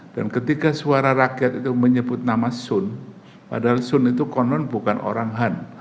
dan ketika suara rakyat itu menyebut nama sun padahal sun itu konon bukan orang han